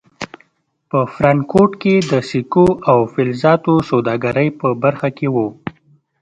په فرانکفورټ کې د سکو او فلزاتو سوداګرۍ په برخه کې و.